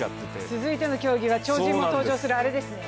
続いての競技は超人も登場する、あれですね。